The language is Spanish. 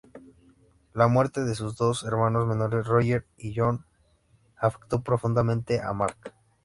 La muerte de sus dos hermanos menores, Roger y Jon, afectó profundamente a Mark.